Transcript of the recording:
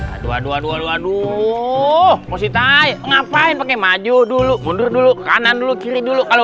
aduh aduh aduh aduh aduh aduh ngapain pakai maju dulu mundur dulu kanan dulu kiri dulu kalau